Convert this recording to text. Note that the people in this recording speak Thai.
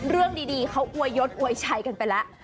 เรื่องดีเขาอวยยศอวยชัยกันไปแล้ว